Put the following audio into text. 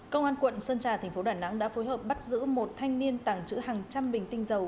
công an quận sơn trà tp đà nẵng đã phối hợp bắt giữ một thanh niên tặng chữ hàng trăm bình tinh dầu